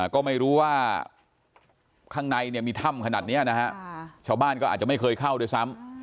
ก็ไม่รู้ว่าข้างในมีถ้ำขนาดนี้นะฮะชาวบ้านก็อาจจะไม่เคยเข้าด้วยซ้ำ